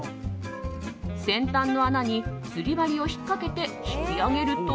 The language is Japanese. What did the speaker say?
先端の穴に釣り針を引っかけて引き上げると